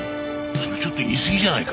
それちょっと言いすぎじゃないか？